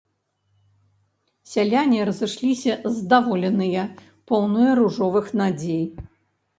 Сяляне разышліся здаволеныя, поўныя ружовых надзей.